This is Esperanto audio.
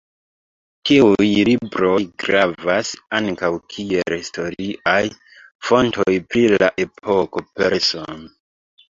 Tiuj libroj gravas ankaŭ kiel historiaj fontoj pri la epoko, persono.